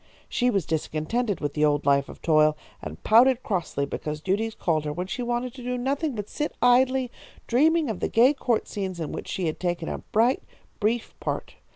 "She was discontented with the old life of toil, and pouted crossly because duties called her when she wanted to do nothing but sit idly dreaming of the gay court scenes in which she had taken a bright, brief part.